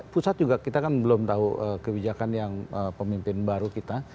pusat juga kita kan belum tahu kebijakan yang pemimpin baru kita